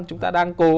chúng ta đang cố